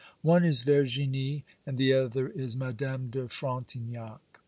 —one is Verginie, and the other is Madame de Frontignac.